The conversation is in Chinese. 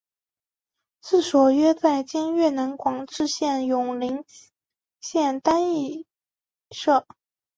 治所约在今越南广治省永灵县丹裔社。